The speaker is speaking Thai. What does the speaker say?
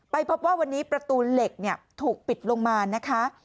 พบว่าวันนี้ประตูเหล็กถูกปิดลงมานะคะ